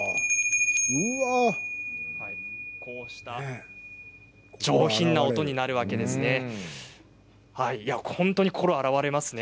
風鈴の音上品な音になるわけですね。